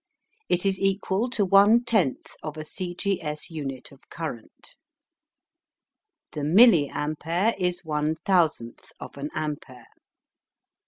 It is equal to one tenth of a C. G. S. unit of current. The milliampere is one thousandth of an ampere.